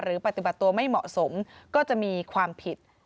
ปฏิบัติตัวไม่เหมาะสมก็จะมีความผิด